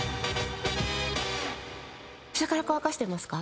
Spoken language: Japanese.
下から乾かしてますか？